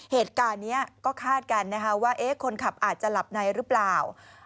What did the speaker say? เหตุการณ์นี้ก็คาดกันนะคะว่าคนขับอาจจะหลับในหรือเปล่า